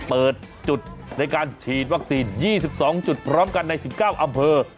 เปิดจุดในการฉีดวัคซีน๒๒จุดพร้อมกันใน๑๙อำเภอ